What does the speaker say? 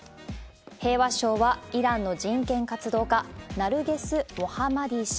平和賞は、イランの人権活動家、ナルゲス・モハマディ氏。